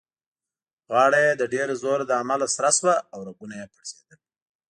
غاړه يې د ډېر زوره له امله سره شوه او رګونه يې پړسېدل.